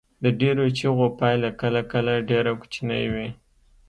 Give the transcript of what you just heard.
د ډیرو چیغو پایله کله کله ډیره کوچنۍ وي.